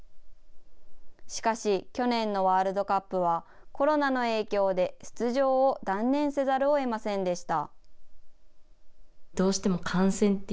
しかし、去年のワールドカップはコロナの影響で出場を断念せざるをえませんでした。